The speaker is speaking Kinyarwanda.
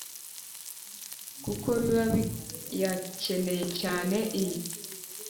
kuko biba biyakeneye cyane i